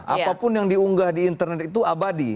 apapun yang diunggah di internet itu abadi